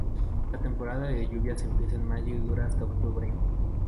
La temporada de lluvias empieza en mayo y dura hasta octubre.